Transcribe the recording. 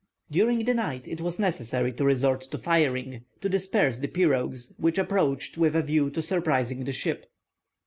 During the night, it was necessary to resort to firing, to disperse the pirogues, which approached with a view to surprising the ship.